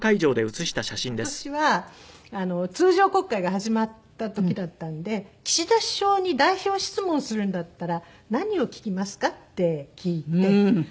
その時に今年は通常国会が始まった時だったので「岸田首相に代表質問するんだったら何を聞きますか？」って聞いて。